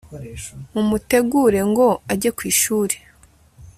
mumutegure ngo ajye ku ishuri